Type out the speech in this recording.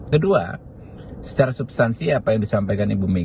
kedua secara substansi apa yang disampaikan ibu mega